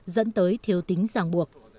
dẫn tới thiếu tính giang buộc